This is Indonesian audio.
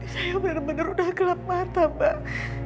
saya benar benar udah gelap mata mbak